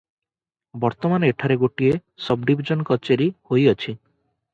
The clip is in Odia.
ବର୍ତ୍ତମାନ ଏଠାରେ ଗୋଟିଏ ସବ୍ଡ଼ିବିଜନ କଚେରୀ ହୋଇଅଛି ।